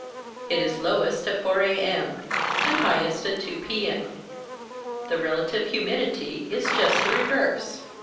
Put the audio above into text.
It is lowest at 4 A.M. and highest at 2 P.M. The relative humidity is just the reverse.